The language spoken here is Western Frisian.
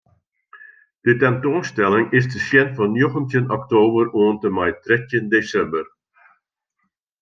De tentoanstelling is te sjen fan njoggentjin oktober oant en mei trettjin desimber.